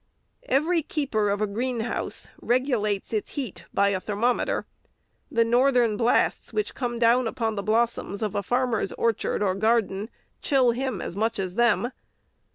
Every keeper of a greenhouse regulates its heat by a thermometer. The northern blasts which come down upon the blossoms of a farmer's orchard or garden chill him as much as them.